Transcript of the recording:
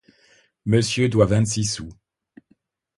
Monsieur doit vingt-six sous.